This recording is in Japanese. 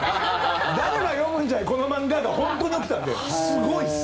誰が読むんじゃい、この漫画が本当に起きたんで、すごいっす。